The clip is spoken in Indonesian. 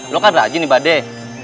lo kan naik haji nih pak deh